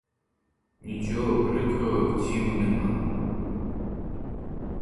Нічого прикрого в цім нема!